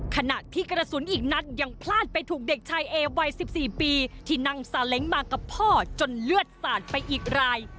ขณะที่กระสุนอีกนัดยังพลาดไปถูกเด็กชายเอวัย๑๔ปีที่นั่งซาเล้งมากับพ่อจนเลือดสาดไปอีกราย